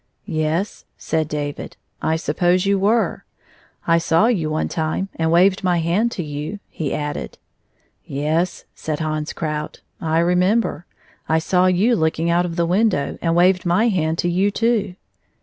" Yes," said David, " I suppose you were. I saw you one time and waved my hand to you," he added. " Yes," said Hans Krout, " I remember. I saw you looking out of the window, and waved my hand to you, too."